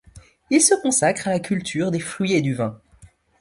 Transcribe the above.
Il se consacre à la culture des fruits et du vin.